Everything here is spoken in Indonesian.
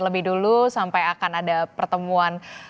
lebih dulu sampai akan ada pertemuan